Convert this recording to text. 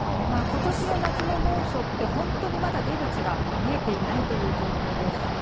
今年の夏の猛暑って本当にまだ出口が見えていないという状況です。